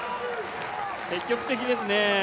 積極的ですね。